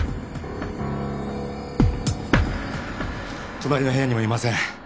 隣の部屋にもいません。